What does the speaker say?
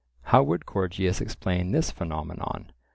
How would Gorgias explain this phenomenon?